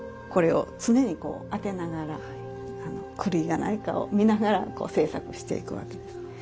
これを常にこう当てながら狂いがないかを見ながら制作していくわけです。